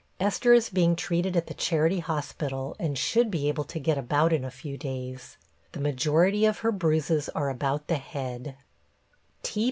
Esther is being treated at the charity hospital, and should be able to get about in a few days. The majority of her bruises are about the head.